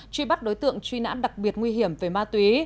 truy bắt đối tượng truy nãn đặc biệt nguy hiểm về ma túy